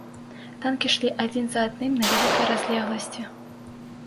Танкі ішлі адзін за адным на вялікай разлегласці.